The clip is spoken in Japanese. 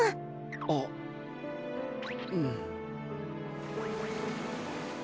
あっうん。